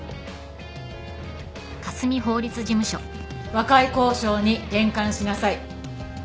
和解交渉に転換しなさい。